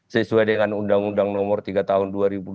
sesuai dengan undang undang nomor tiga tahun dua ribu dua puluh